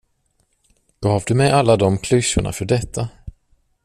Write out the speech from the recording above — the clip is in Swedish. Gav du mig alla de klyschorna för detta?